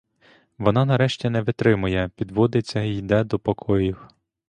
Вона нарешті не витримує, підводиться й іде до покоїв.